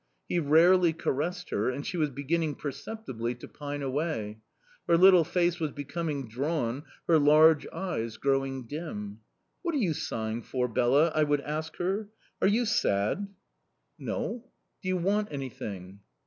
He rarely caressed her, and she was beginning perceptibly to pine away; her little face was becoming drawn, her large eyes growing dim. "'What are you sighing for, Bela?' I would ask her. 'Are you sad?' "'No!' "'Do you want anything?